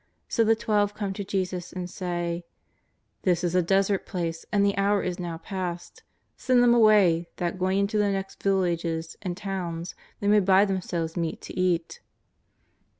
So the Twelve come to Jesus and say: " This is a desert place and the hour is now past.' Send them away, that going into the next villages and towns they may buy themselves meat to eat."